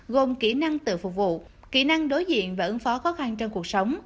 gồm kỹ năng tự phục vụ kỹ năng đối diện và ứng phó khó khăn trong cuộc sống